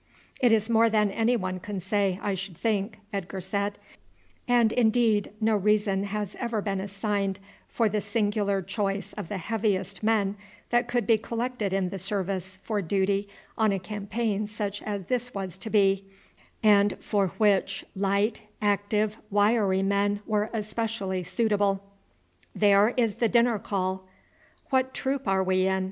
"It is more than anyone can say, I should think," Edgar said; and indeed no reason has ever been assigned for the singular choice of the heaviest men that could be collected in the service for duty on a campaign such as this was to be, and for which light, active, wiry men were especially suitable. "There is the dinner call." "What troop are we in?"